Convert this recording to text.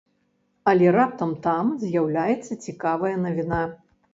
Але раптам там з'яўляецца цікавая навіна.